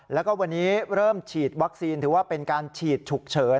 แล้วก็วันนี้เริ่มฉีดวัคซีนถือว่าเป็นการฉีดฉุกเฉิน